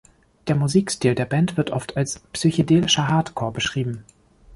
Der Musikstil der Band wird oft als „psychedelischer“ Hardcore beschrieben.